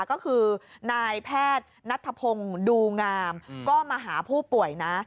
ก็คือนายแพทย์นัทธพงศ์ดูงามก็มาหาผู้ป่วยนะ